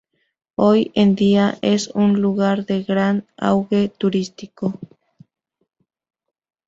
Hoy en día es un lugar de gran auge turístico.